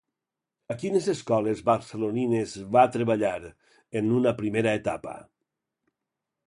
A quines escoles barcelonines va treballar, en una primera etapa?